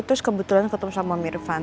terus kebetulan ketemu sama om irfan